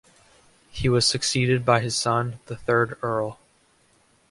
He was succeeded by his son, the third Earl.